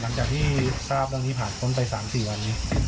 หลังจากที่ทราบรองนี้ผ่านช่วงทั้งสามสี่วัน